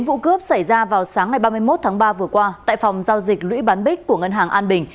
vụ cướp xảy ra vào sáng ngày ba mươi một tháng ba vừa qua tại phòng giao dịch lũy bán bích của ngân hàng an bình